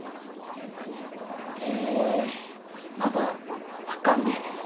えまだ分かんないです。